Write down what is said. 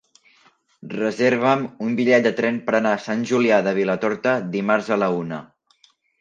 Reserva'm un bitllet de tren per anar a Sant Julià de Vilatorta dimarts a la una.